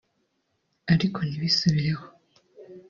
ariko ntibisubireho